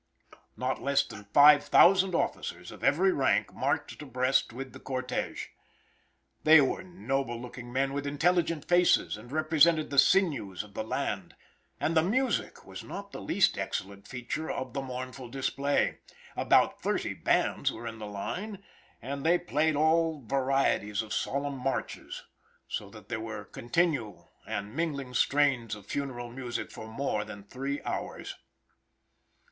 Not less than five thousand officers, of every rank, marched abreast with the cortege. They were noble looking men with intelligent faces, and represented the sinews of the land, and the music was not the least excellent feature of the mournful display. About thirty bands were in the line, and these played all varieties of solemn marches, so that there were continual and mingling strains of funeral music for more than three hours.